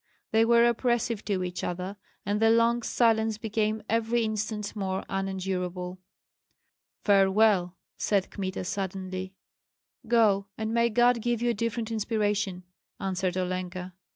They were oppressive to each other, and the long silence became every instant more unendurable. "Farewell!" said Kmita, suddenly. "Go, and may God give you a different inspiration!" answered Olenka.